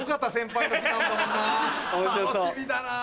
楽しみだなぁ！